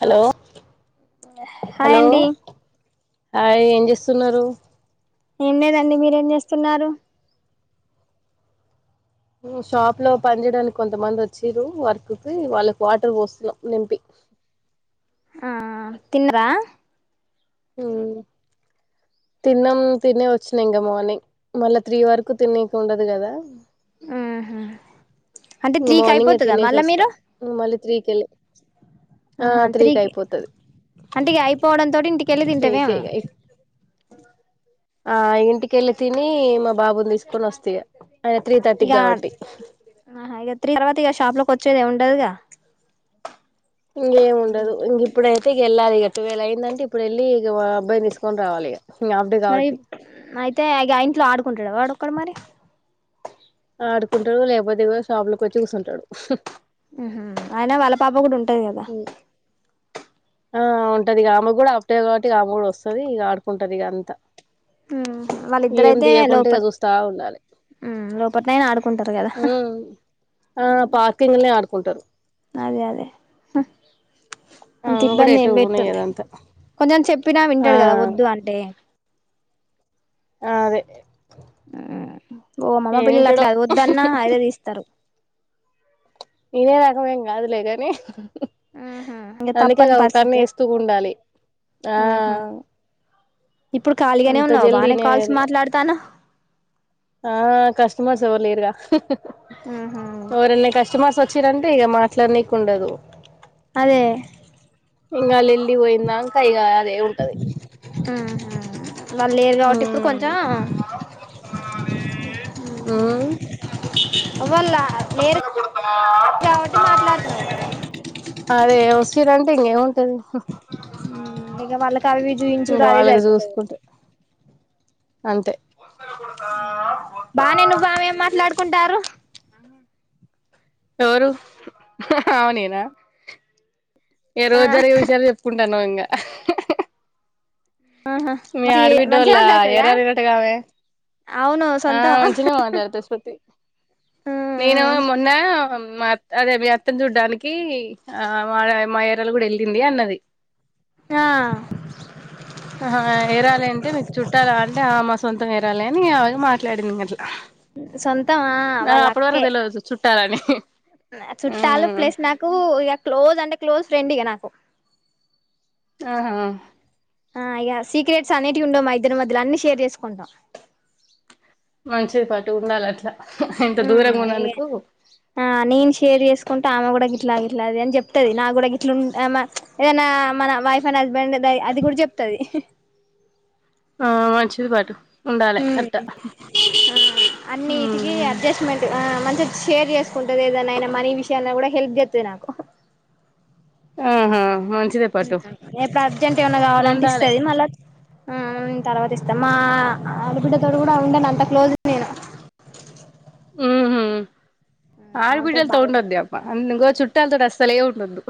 Hello hi hello అండి hi ఏం చేస్తున్నారు ఏం లేదండి మీరేం చేస్తున్నారు షాప్ లో పని చేయడానికి కొంతమంది వచ్చారు వర్క్కి వాళ్ళకి వాటర్ పోస్తున్నాం నింపి ఆ తిన్నరా ఉ తిన్నాం తినే వచ్చినా ఇంకా మార్నింగ్ మళ్ళా త్రీ వరకు తిన్నీకి ఉండదు కదా మ్మ్ హ్మ్ ఇంగ మార్నింగే తినేసి వస్తా మళ్ళీ త్రీకెళ్ళి ఆహా త్రీకి అంటే ఇగ అయిపోవడం తోటి ఇంటికి కెళ్ళి తింటవే త్రీకి ఆ ఇంటికెళ్ళి తిని మా బాబుని తీసుకొని వస్తా ఇగ ఆయన త్రీ థర్టీకి ఇగ కాబట్టి ఆహా త్రీ తర్వాత షాప్ లోకి వచ్చేద ఉండదుగా ఇంకేం ఉండదు ఇంక ఇప్పుడైతే గెళ్ళాలిగా ట్వెల్వ్ అయి ఏంటంటే ఇప్పుడు వెళ్ళ ఇక అబ్బాయి తీసుకొని రావాలి ఇగ మరి అయితే ఇగా ఇంట్ల ఆడుకుంటడా వాడొక్కడు మరి ఆడుకుంటడు లేకపోతే ఇగో షాపులోకి వచ్చి కూసుంటడు అయిన వాళ్ళ పాప కూడా ఉంటా ఉ ఆ ఉంటది ఇక ఆమె కూడా హాఫ్డేనే కాబట్టి ఇక ఆమె కూడా వస్తది ఇక ఆడుకుంటది ఇక అంతా ఉమ్ ఏం తీయకుంట ఇగ చూస్తా ఉండాలి లోపట్నయిన ఆడుకుంటరు కదా ఉమ్ ఆ పార్కింగ్లనే ఆడుకుంటరు అదే అదే అంత ఇబ్బంది ఏం పెట్టడులే కొంచెం చెప్పినా ఆ వింటడు కదా వద్దు అంటే ఆ అదే ఓ అమ్మ మా ఏం పిల్లలు వింటాడో అట్లా కాదు వద్దన్న అదే తీస్తారు వినేరకమేం కాదులే కాని ఇంక అందుకే తప్పని కదా ఓకన్ను పరిస్థితే వేస్తూ ఉండాలి ఆ ఆహా ఇప్పుడు ఖాళీగానే అంత ఉన్నావా జల్దీ బానే కాల్స్ ఇనేది మాట్లాడతాన్నవ్ ఆ కస్టమర్స్ ఎవ్వరు లేరుగా ఆహా ఎవరన్న కస్టమర్స్ వ వచ్చిరంటే ఇక మాట్లాడనీకి ఉండదు అదే ఇంగ వాళ్ళు ఇళ్ళు పోయిందాంక ఇగ ఆహా వాళ్ళు లేరు కాబట్టి ఇప్పుడు ఉమ్ కొంచెం ఊ వాళ్ళ లేరు కాబట్టి మాట్లాడుతున్నావు అదే [unintelligible] ఇక వాళ్ళకి అవి చూయించుడు ఇంకా అదే వాళ్ళకి సరిపోతది చూసుకుంటే అంతే హ్మ్ బానే నువ్వామె ఏం మాట్లాడుకుంటారు ఎవరు ఆమె నేనా ఆ ఏరోజు జరిగే విషయాలు చెప్పుకుం టను ఇంగ ఆహా మీ మంచి ఆడబిడ్డ వొళ్ళ మంచిగా మాట్లాడుతదిగా ఎరారేనట్టుగామె అవును ఆ సొంతం మంచిగానే మాట్లాడుతాది శృతి నేను మొన్న మా అదే మీ అత్తని చూడ్డానికి ఆ మా మా యరాలు కూడా ఎళ్ళింది అన్నది ఆ ఆహ ఎరాలే అంటే మీకు చుట్టాలా అంటే ఆహ మా సొంతం ఎరాలే అని అగ మాట్లాడింది అట్లా సొంతమా నా వాళ్ళ అప్పటి అక్కే వరకు తెలువదు చుట్టాలని చుట్టాలు మ్మ్ ప్లస్ నాకు ఇగ క్లోజ్ అంటే క్లోజ్ ఫ్రెండ్ ఇగ నాకు ఆహా ఆ ఇగ సీక్రెట్స్ అనేటివి ఉండవు మా ఇద్దరి మధ్యల అన్ని షేర్ చేసుకుంటాం. మంచిది పటు ఉండాలి అట్లా ఇంత హ్మ్ దూరంగా ఇగ ఉన్నందుకు ఆ నేన్ షేర్ చేసుకుం ట ఆమె కూడా గిట్లా ఇట్లాది అని చెప్తాది నాకూడా గిట్లా ఏదైనా మన వైఫ్ అండ్ హస్బెండ్ దయ అది కూడా చెప్తది ఆ వన్ చిది పాటు ఉండాలే ఉమ్ అట్టా అన్నిటికి హ్మ్ అడ్జస్ట్మెంట్ మంచిగా షేర్ చేసుకుంటది ఏదన్నా అయినా మనీ విషయాల కూడా హెల్ప్ చేత్తాది నాకు ఆహా మంచిదే పట్టు ఎప్పుడు అర్జెంట్ ఏమన్నా కావాలంటే ఉండాలే ఇస్తాది మళ్ళా ఆ తర్వాత ఇస్తాను మా ఆడబిడ్డతోటి కూడా ఉండనంత అంత క్లోజ్ నేను హ్మ్ ఆమెతోటి ఆడబిడ్డలతో బాగుంటా ఉండద్దే అబ్బా అం ఇగో చుట్టాలతో అసలే ఉండద్దు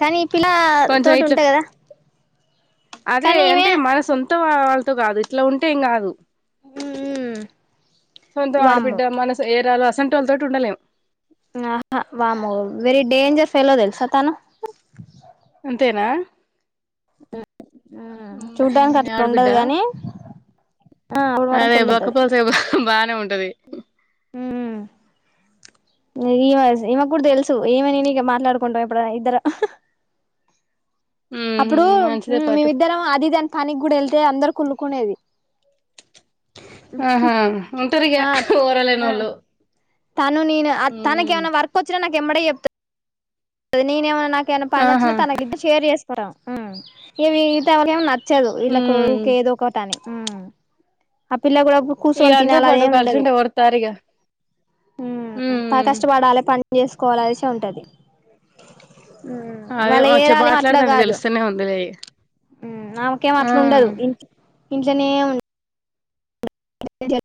కానీ పిలా తోటి ఇట్లా ఉంట కదా కానీ ఈమె తొ కాదు ఇట్లా ఉంటే ఏం కాదు మ్మ్ సొంతం వామ్మో ఆడబిడ్డ మనసు ఏరాలు అసంటోళ్లతోటి ఉండలేము ఆహా వామ్మో వెరీ డేంజర్ ఫెలో తెలుసా తను అంతేనా మ్మ్ చూడ్డానికి అట్లు ఉండదు ఆడబిడ్డ గాని ఆ అణువణువు అదే కుళ్ళు బొక్క ఉంటది పులుసు బానే ఉంటది ఊమ్ ఈమె ఈమెకూడా తెలుసు ఈమె నేనిగా మాట్లాడుకుంటం ఎప్పుడైనా ఇద్దరమ్ ఉహు అప్పుడు మంచిదే పట్టు మేమిద్దరం అది ఇదని పనికి కూడా ఏళ్తే అందరు కుళ్ళుకునేవి ఆహా ఉంటరిగా ఆ ఆ ఓర్వలేనోళ్లు తను నేను తనకు ఏమైనా వర్క్ వచ్చినా నాకు ఎంమడే చెప్తా నేను ఏమన్నా నా కెమన్న పని ఆహా వచ్చినా తనకి ఇద్ద షేర్ చేసుకుంటాం ఇగ మిగతావాళ్ళకి ఏమో నా చ్చదు వీళ్లకు ఉమ్ ఇంకేదో ఒకటి అని అ పిల్ల కూడా ఇగ కూసోని అంతే తినాలి అనే పట్టు ఉండదు కలిసుంటే ఓర్తారిగా హ్మ్ పా ఉమ్ కష్టపడాలే పని చేసుకోవాలే అనేసే ఉంటది. అదే వాళ్ళ వచ్చ ఏరాలు ఏమ్ అట్లా మాట్లాడుతంటే కాదు తెలుస్తూనే ఉందిలే ఆమెకేమో ఆ అట్లుండదు ఇంట్ ఇంట్లోనే ఉంటది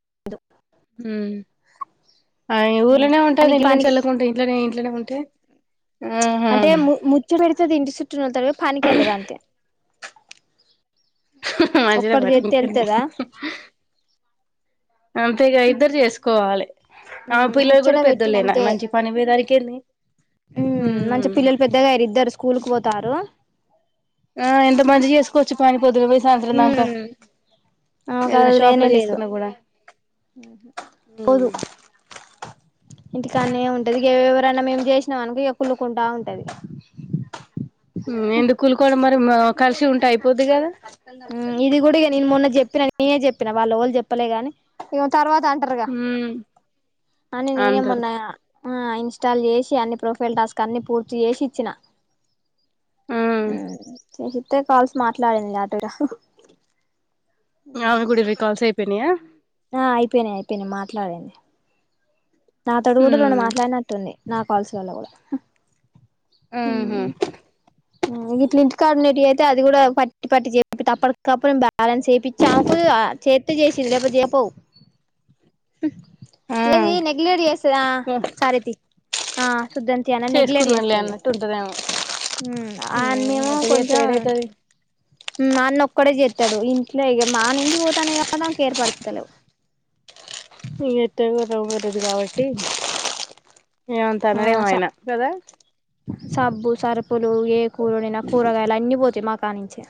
హ్మ్ ఆ ఊర్లోనే ఉంటది పనికి ఇంట్లోనుంచి పనికి ఎల్లకుంటే ఇంట్లోనే ఇంట్లోనే ఉంటే ఆహా అంటే ము ముచ్చు పెడతాది ఇంటి చుట్టూ ఉన్నోళ్లతో పనికి ఎళ్ళదు అంతే హహ మంచిదే ఒక్కటి పట్టు చేత్తే ఇంకేమీ వెళ్తదా అంతేగా ఇద్దరు చేసుకోవాలే ఆమె మ్మ్ పిల్లలు ముచ్చట కూడా పెద్దోళ్ళయినా మంచిగ పనికిపోయేదానికి ఏమి ఉ మంచిగా పిల్లలు పెద్దగా అయిద్దరు స్కూల్కి పోతారు ఆ ఎంత మంచిగా చేసుకో వచ్చి పని పోదుగా పోయి సయంత్రాంకా ఆకాదుదిలేనే లేదు ఉమ్ పోదు ఇంటికాన్న ఉంటదివ ఎవరు ఎన్నా మేము చేసిన మనకో కులుకుంటా ఉంటది ఎందుకు కూలుకోవడం మరి కలిసి ఉంటే అయిపోద్ది కదా ఇది గుడి నేను మొన్న చెప్పినా నేనే చెప్పిన వాళ్ళు వాళ్ళు చెప్పలేగాని తర్వాత అంటారుగా ఉమ్ అని నేనే అంటారు మొన్న ఆ ఇన్స్టాల్ చేసి అన్ని ప్రొఫైల్ టాస్క్ అన్ని పూర్తి చేసి ఇచ్చిన ఉమ్ చేసితే కాల్స్ మాట్లాడింది అటు ఇటు ఆమె గుడి ఈరు కాల్స్ ఐ పోనయా ఆ అయిపోయినాయి అయిపోయినాయి మాట్లాడింది నాతోడు కూడా రెండు ఉమ్ మాట్లాడినట్టుంది నా కాల్స్ వల్ల కూడా ఉహూ గిట్ల ఇంటికాడ ఉన్నటి అయితే అది కూడా పట్టి పట్టి చెప్ప అప్పటికప్పుడు బాలెన్స్ ఎపిచ్చి ఆముకు చేత్తు చేసింది లేప జపోవు ఆ ఇది నెగ్లెక్ట్ చేస్తది ఆ సరే తీ ఆ సుద్దంతి అనా నెగలెక్ట్ చేసుకున్నాంలే చేస్తది. అన్నట్టు ఉంటదేమో ఉమ్ అన్నేమో అట్ట చేస్తే కొంచెం ఏడైతది అన్న ఒక్కడే చేస్తాడు ఇంట్లో మా నుంచి పోతానే కాబట్డా ఆమెకి ఏర్పడతలే ఇగా ఎటకు లవ్ మ్యారేజ్ కాబట్టి ఇగ అంత ఆ అనాడేమో స ఆయనా కదా సబ్బు సరుపులు ఏ కూరనైనా కూరగాయలు అన్ని పోతాయి మాకు కానించే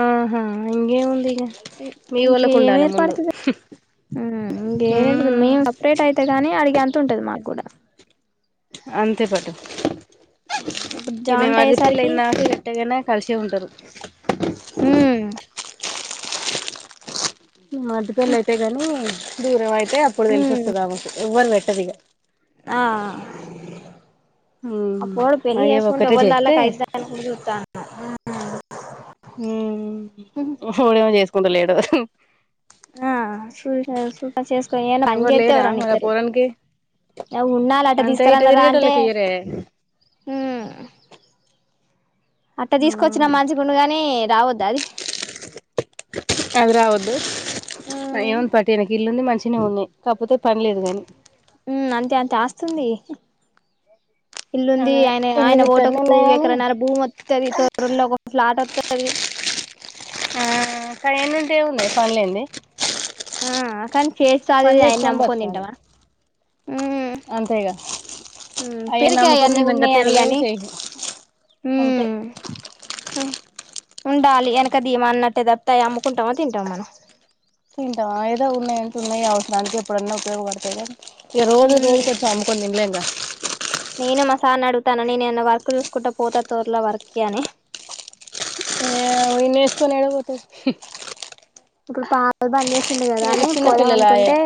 ఆహా ఇంగేముంది ఇక మీ వాళ్ళకు ఉండాలి ముందు ఇంకే మేం ఉమ్ సపరేట్ అయితే గాని అడిగి అంత ఉంటది మాకు కూడా అంతేపాటు ఇప్పుడు ఏమే జాయింట్ మరది అయ్యేసరికి పెళ్ళయినా గట్టగానే కలిసే ఉంటారు ఉం మి మరిది పెళ్లి అయితే ని దూరం అయితే అప్పుడు తెలిసి హ్మ్ వస్తదా మేకు ఎవ్వరు పెట్టదు ఇక ఆ ఆ పోరడు పెళ్లి అయ్యో చేసుకుంట ఒకటే ఎవళలా చేస్తే కైతా దాని చూతన ఆ పోరాడ్ ఏమో చేసుకుంటలేడు ఆ సుల్ప చేస్క ఏ మంజ ఎవరు లేరా అతేవ్రని మరి ఆ ఇతరు పోరానికి అవి ఉన్నాల అట్ట అంతే ఇటు తీసుకురన్న రా అంటే తిరిగేటోళ్ళకి ఇయ్యరే అట్టా తీసుకొచ్చిన మంచిగుండగాని రావద్దు అది అవి రావదు ఏముంది హ్మ్ పాటు ఈయనకి ఇల్లుంది మంచినే ఉన్నాయి కాకపోతే పని లేదు కానీ ఉ అంతే అంతే ఆస్తుంది ఇల్లుంది అదే ఆయన ఇల్లు ఆయన గిట్ట అన్నీ ఓటకు ఉన్నాయి గాని ఎకరన్నర భూ మొం తడి తొర్రొర్ల లో ఒక ఫ్లాట్ వస్తది ఆ కాైన్డి ఏమున్నాయి పనిలయుంది ఆ కాని చేసి చదిద ఆయన్ని నమ్ముకొని బతకాలి తింటామా అంతేగా అయ్యే పెరిగాయి నమ్ముకొని అన్నీ నేను ఇంకా ఉన్నాయని తినలేవు కాగానీ చేయలేవు అంతే హ ఉండాలి వెనకదిమ అన్నట్టే తప్తాయి అమ్ముకుంటామో తింటామా మనం తింటావ ఏదో ఉన్నాయి అంటే ఉన్నాయి అవసరనికి ఎప్పుడైన్నా ఉపయోగడతాయి కదా ఇగ రోజు ఉమ్ రోజు కొ అమ్కుొని తినలేం గ నేను మా సార్ని అడుగుతాను నేనున్న వర్క్ చూసుకుంటా పోతా తోర్లో వర్క్ అని ఆ ఇన్నసుకొని అడుపోతే ఇప్పుడు పాత్ బంద్ చేసిండు కదా అని పోదాం చిన్నపిల్లలాయే అనుకుంటే.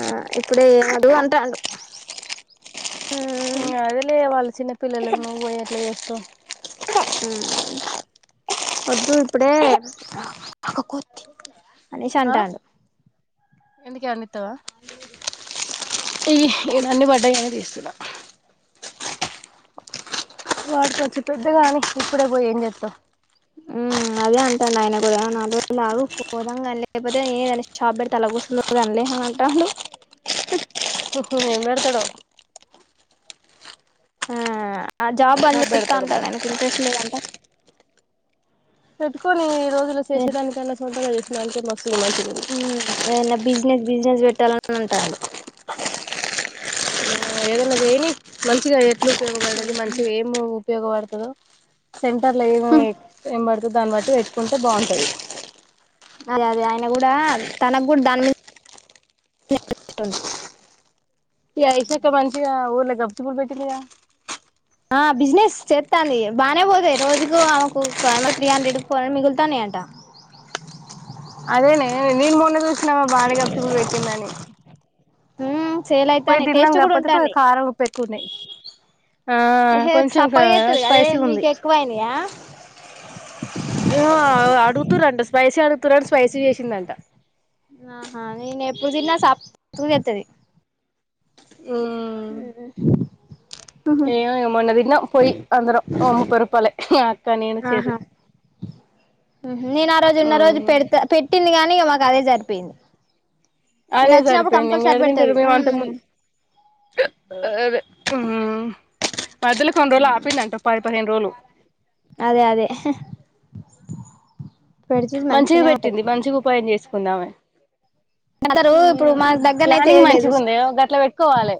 ఆ ఇప్పుడేఎం వద్దు అంటాడు ఇంగ అదే లే వాళ్ళ చిన్న పిల్లలలకు నువ్వు బోయి ఎట్లా చేస్తవు కా హు వద్దు ఇప్పుడే అనేసి ఆ అంటాడు ఎందుకే అనితవా ఈవి ఇవన్నీ పడ్డాయనే తీస్తు ఇలా [inaudible] వాడికంచచ్చం పెద్దగాని ఇప్పుడే పోయి ఏం చెస్తాం ఉమ్ అదే అంటండు ఆయన కూడా నాలుగు రోజులు ఆగు పోదాం కానీ లేకపోతే ఏదైనా షాప్ పెట్టి తల కూూస్తుగానీలే. అని అంటాడు ఓహో ఏం పెడతాడో ఆ ఆ జాబ్ బంద్ చేస్తా పెడతాడు అంటాడు మరి ఆయనకి ఇంట్రెస్ట్ లేదంట. పెట్టుకొని ఈ రోజులు చేసేదానికి అలా సొంతగా చేసినా‍ ఉ దేన్ననా బిజినెస్ బిజినెస్ పెట్టాలని అంటాడు ఆ ఎదైనా చెయని మంచిగా ఎట్లు ఉపయోగపడేది మంచిగా ఏం ఉపయోగపడుతాదొ. సెంటర్ల ఏమి ఏం పడుతు దాన్ని బట్టి పెట్టుకుంటే బాగుంటాది అదే అదే ఆయన కూడా తనకు కూడా దాని మీద [inaudible] ఈ ఆయేషా అక్క మంచిగా ఊర్ల గచ్చుబ్లు పెట్టింది గా ఆ బిజినెస్ చెస్తాంది బాగానే పోతాయి రోజుకు ఆమెకు త్రీ హండ్రెఫొర్ మిగులుతాంని అంట అదేనే నీను మొన్న చూసిన ఆమె బానే గచ్చుబ్లు పెట్టిందని హ పోయి దిన్నంగా కాక పతే పో కారం ఉప్పు ఎక్కుఉంది ఆ ఏహే కొంచెంకా సప్పగా చేత్తది అదే స్పైసీ ఉంది మీకు ఎక్కువైనయా ఏము అడుగుతారంట స్పైసీ అడుగుతురని స్పైసీ చేసిందంట ఆహా నేను ఎప్పుడు తిన్నా సక్ చెత్తది ఉ ఊహు ఏమో ఈగ మొన్న దినం పోయి అందిరం ముపాయి రూపలది ఆహా నేను ఆ రోజు ఉన్న రోజు మ్మ్ పెడతా పెట్టింది గాని గదే సరిపోయింది అదే నేను వచ్చినప్పుడు సారిపోయింది ఎంక కంపల్సరీ ఎడదింటరు పెడతది మైము అంత కు ఉమ్ ముందు అదె మధ్యలో కొన్ని రోజులు ఆపిందంట పది పదిహేను రోజులు అదే అదే పెడుతది మంచిగా మంచిగనే ఉంటాయి పెట్టింది మంచిగా ఉపాయం చేసుకొంది ఆమె అందరూ ఇప్పుడు హ్మ్ మా దగ్గరనయితే ప్లానింగ్ ఏది లేదు మంచిగా ఉంది ఒక గట్లా పెట్టుకోవాలే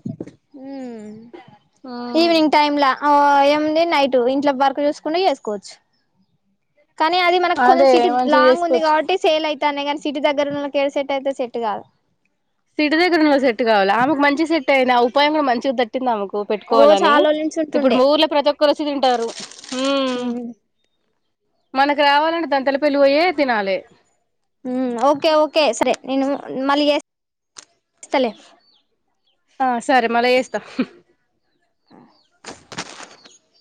ఉమ్ అ [inaudible] ఈవినింగ్ టైమ్ల అ ఏం ఉంది నైటు ఇంట్లో వర్కు చూసుకోనీ చేసుకోవచ్చు కానీ అది మనకు కొంచం అదే సిట్ మంచిగా లాంగ్ ఉంది చేసుకోవచ్చు కాబట్టి సేల్ అయితానీ గానీ సిటీ దగ్గరన్నలకు ఎడా సెట్ అయితది సెట్ కాదు సిటి దగ్గర ఉన్నోళ్లు సెట్ కావాలి ఆమెకు మంచి సెట్ అయింది ఆ ఉపాయం కూడా మంచి చూ తట్టింది ఆమెకు ఓ పెట్టుకోవాలని చాలా రోజుల నుంచి ఇప్పుడు ఉంటుండే ఊర్లో ప్రతి ఒక్కరు వచ్చి తింటారు హ్మ్ ఉమ్ మనకు రావాలంటే దంతలా పెళ్లి పోయే తినాలి హ్మ్ ఓకే ఓకే సరే నేను మళ్ళీ చేస్తలే ఆ సరే మళ్ళ చెస్తా [inaudible]